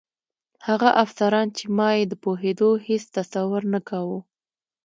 هغه افسران چې ما یې د پوهېدو هېڅ تصور نه کاوه.